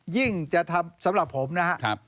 ยิ่งจะทำสำหรับผมนะครับ